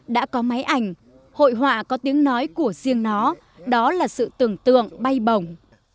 đã có máy ảnh hội họa có tiếng nói của riêng nó đó là sự tưởng tượng bay bỏng